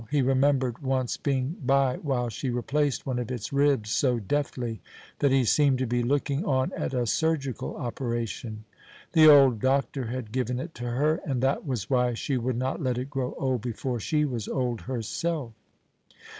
He remembered once being by while she replaced one of its ribs so deftly that he seemed to be looking on at a surgical operation. The old doctor had given it to her, and that was why she would not let it grow old before she was old herself.